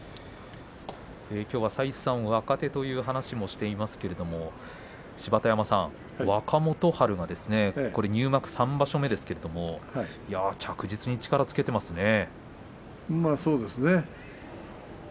きょうは再三、若手という話もしていますけれども芝田山さん、若元春が入幕３場所目ですけれども着実に力をつけていますね。